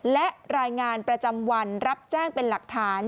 และรายงานประจำวันรับแจ้งเป็นหลักฐาน